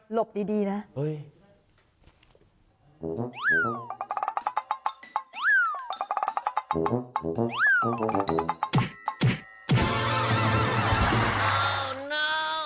หลบดีนะ